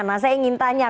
nah saya ingin tanya